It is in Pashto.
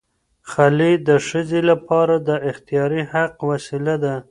خلع د ښځې لپاره د اختیاري حق وسیله ده.